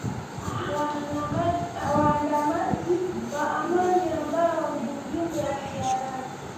waandamanaji wa amani ambao ni ujumbe wa kiarabu